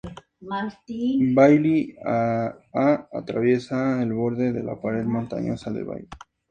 Bailly A atraviesa el borde de la pared montañosa de Bailly.